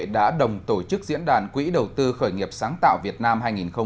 đã đồng tổ chức diễn đàn quỹ đầu tư khởi nghiệp sáng tạo việt nam hai nghìn hai mươi